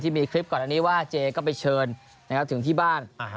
มีคลิปก่อนอันนี้ว่าเจก็ไปเชิญถึงที่บ้าน